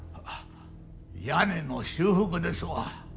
屋根の修復ですわ。